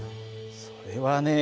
それはね